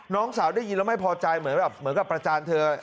นางสาวได้ยินแล้วไม่พอใจเหมือนกับพระจานเธอ